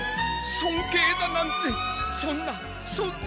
そんけいだなんてそんなそんな。